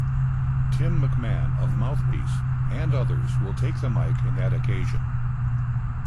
Tim McMahon of Mouthpiece and others will take the mic in that occasion.